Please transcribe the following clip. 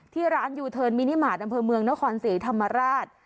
ที่ร้านยูเทิร์นมินิมาตรอำเภอเมืองนครศรีธรรมราช